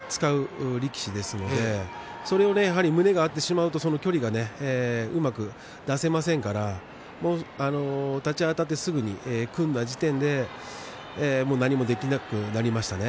翔猿自体は相手との距離をすごく上手に使う力士ですのでそれを胸が合ってしまうと距離がうまく出せませんから立ち合いあたってすぐに組んだ時点で何もできなくなりましたね。